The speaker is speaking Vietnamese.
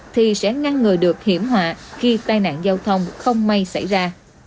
thì sẽ ngăn ngừa được hiểm họa khi tai nạn giao thông không may xảy ra